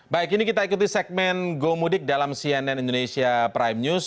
baik ini kita ikuti segmen gomudik dalam cnn indonesia prime news